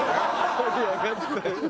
盛り上がった。